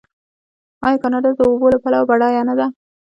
آیا کاناډا د اوبو له پلوه بډایه نه ده؟